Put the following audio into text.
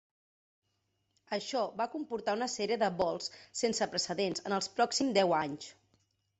Això va comportar una sèrie de vols sense precedents en els pròxims deu anys.